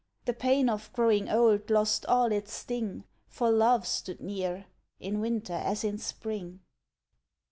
The pain of growing old lost all its sting, For Love stood near—in Winter, as in Spring.